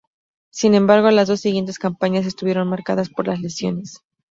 Sin embargo, las dos siguientes campañas estuvieron marcadas por las lesiones.